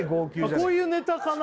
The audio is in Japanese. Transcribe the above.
こういうネタかな？